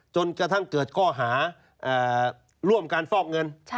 จนกระทั่งเกิดข้อหาร่วมการฟอกเงิน